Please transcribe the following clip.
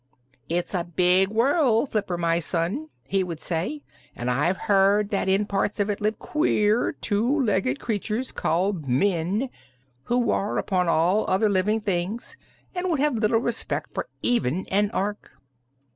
"'It's a big world, Flipper, my son,' he would say, 'and I've heard that in parts of it live queer two legged creatures called Men, who war upon all other living things and would have little respect for even an Ork.'